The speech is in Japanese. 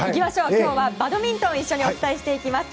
今日はバドミントンを一緒にお伝えしていきます。